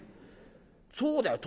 そうだよ